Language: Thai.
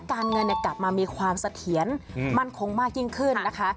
การเงินกลับมามีความเสถียรมั่นคงมากยิ่งขึ้นนะคะ